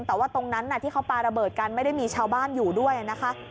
แต่ว่าตรงนั้นที่เขาปาระเบิดกันไม่ได้มีชาวบ้านอยู่ด้วยนะคะ